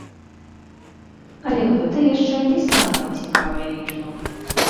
Але гэта яшчэ не самая цікавая лічба!